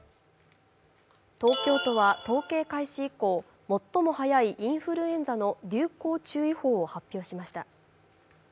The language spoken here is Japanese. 東京都は統計開始以降最も早いインフルエンザの流行注意報を発表しました。